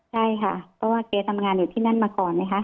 ใช่ค่ะเพราะว่าแกทำงานอยู่ที่นั่นมาก่อนไหมคะ